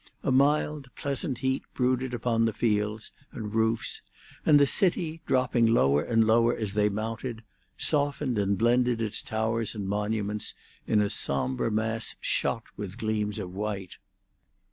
A mild, pleasant heat brooded upon the fields and roofs, and the city, dropping lower and lower as they mounted, softened and blended its towers and monuments in a sombre mass shot with gleams of white.